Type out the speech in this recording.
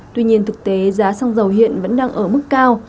tuy nhiên thực tế giá xăng dầu hiện vẫn đang ở mức cao